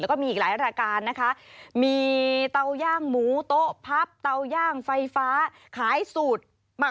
แล้วก็มีอีกหลายรายการนะคะมีเตาย่างหมูโต๊ะพับเตาย่างไฟฟ้าขายสูตรหมัก